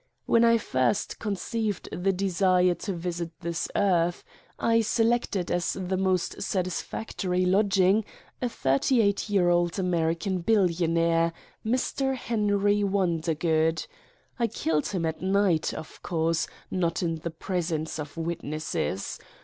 When I first conceived the desire to visit this earth I selected as the most satisfactory lodg ing a 38 year old American billionaire, Mr. Henry Wondergood. I killed him at night, of course, not in the presence of witnesses.